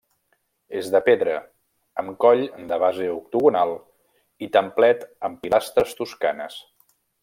És de pedra, amb coll de base octogonal i templet amb pilastres toscanes.